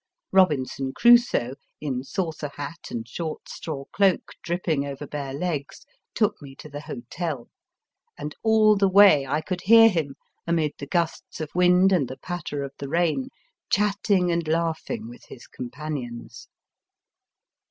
Eobinson Crusoe, in saucer hat and short straw cloak dripping over bare legs, took me to the hotel, and all the way I could hear him, amid the gusts of wind and the patter of the rain, chatting and laughing with his companions.